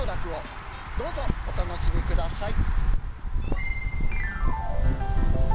どうぞお楽しみください。